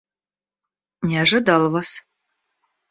Не ожидал вас.